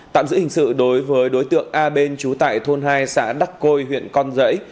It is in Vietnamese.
tạm giữ hình sự đối với đối tượng a ben chú tại thôn hai xã đắc côi huyện con dẫy